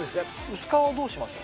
薄皮はどうしましょうか？